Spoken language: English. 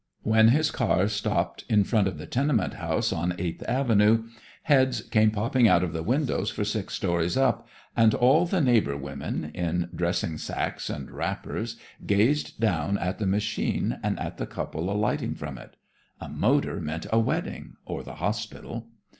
When his car stopped in front of the tenement house on Eighth Avenue, heads came popping out of the windows for six storys up, and all the neighbor women, in dressing sacks and wrappers, gazed down at the machine and at the couple alighting from it. A motor meant a wedding or the hospital.